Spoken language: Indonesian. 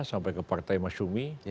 sampai ke partai masyumi